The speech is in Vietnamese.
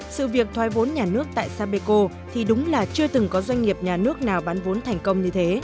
sự việc thoai vốn nhà nước tại sapeco thì đúng là chưa từng có doanh nghiệp nhà nước nào bán vốn thành công như thế